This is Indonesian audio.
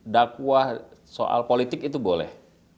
dakwah soal politik itu boleh